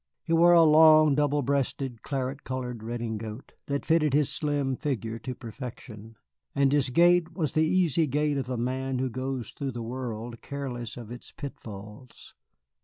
He wore a long, double breasted, claret colored redingote that fitted his slim figure to perfection, and his gait was the easy gait of a man who goes through the world careless of its pitfalls.